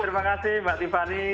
terima kasih mbak tiffany